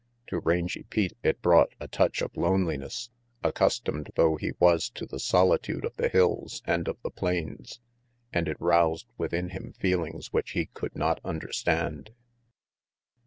To Rangy Pete it brought a touch of 162 RANGY PETE loneliness, accustomed though he was to the solitude of the hills and of the plains, and it roused within him feelings which he could not understand.